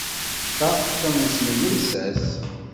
Ta d tamussni n llsas.